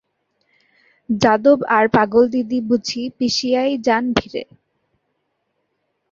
যাদব আর পাগলদিদি বুঝি পিষিয়াই যান ভিড়ে।